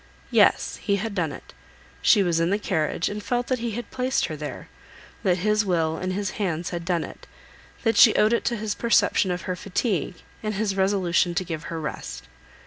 Yes; he had done it. She was in the carriage, and felt that he had placed her there, that his will and his hands had done it, that she owed it to his perception of her fatigue, and his resolution to give her rest.